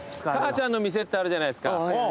かあちゃんの店ってあるじゃないですか。